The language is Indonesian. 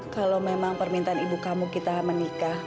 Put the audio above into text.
kalau memang permintaan ibu kamu kita menikah